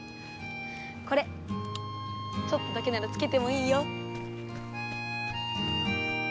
これちょっとだけならつけてもいいよ。